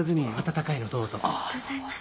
ありがとうございます。